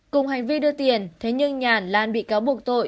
cùng hành vi đưa tiền thế nhưng nhàn lan bị cáo buộc tội